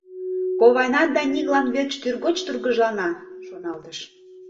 Ковайна Даниклан верч тӱргоч тургыжлана, шоналтыш.